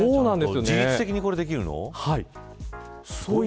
自律的にできるの。